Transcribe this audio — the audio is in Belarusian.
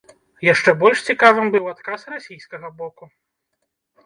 Яшчэ больш цікавым быў адказ расійскага боку.